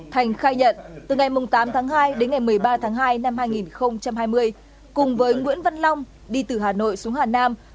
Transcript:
thành khai nhận từ ngày tám tháng hai đến ngày một mươi ba tháng hai năm hai nghìn hai mươi cùng với nguyễn văn long đi từ hà nội xuống hà nam